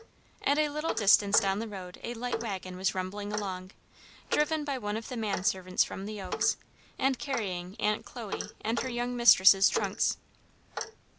At a little distance down the road a light wagon was rumbling along, driven by one of the man servants from the Oaks, and carrying Aunt Chloe and her young mistress' trunks.